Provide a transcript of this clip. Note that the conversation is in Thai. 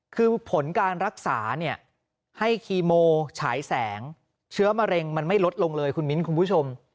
คือผลการรักษาเนี่ยให้คีโมฉายแสงเชื้อมะเร็งมันไม่ลดลงเลยคุณมิ้นคุณผู้ชม